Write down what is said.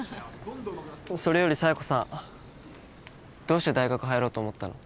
それより佐弥子さんどうして大学入ろうと思ったの？